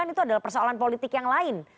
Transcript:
itu adalah persoalan politik yang lain